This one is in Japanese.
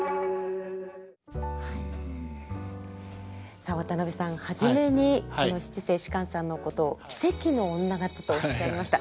さあ渡辺さん初めにこの七世芝さんのことを奇蹟の女方とおっしゃいました。